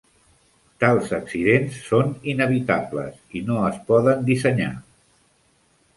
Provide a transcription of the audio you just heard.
Tals accidents són inevitables i no es poden dissenyar.